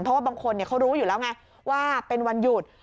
เพราะว่าบางคนเขารู้อยู่แล้วไงว่าเป็นวันหยุด